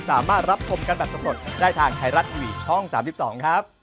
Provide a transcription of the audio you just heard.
สวัสดีครับ